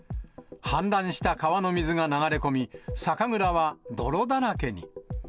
氾濫した川の水が流れ込み、酒蔵は泥だらけに。